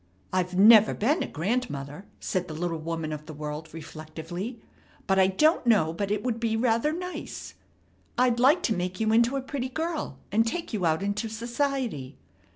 "I've never been a grandmother," said the little woman of the world reflectively, "but I don't know but it would be rather nice. I'd like to make you into a pretty girl, and take you out into society.